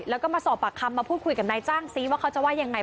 แล้วก็มาสอบปากคำมาพูดคุยกับนายจ้างซิว่าเขาจะว่ายังไง